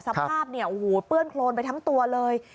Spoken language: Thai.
สภาพเนี่ยโอ้โหเปื้อนโครนไปทั้งตัวเลย